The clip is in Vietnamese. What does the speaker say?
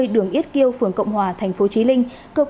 đường yết kiêu phường cộng hòa tp chí linh